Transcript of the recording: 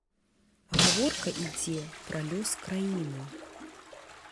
Гаворка ідзе пра лёс краіны.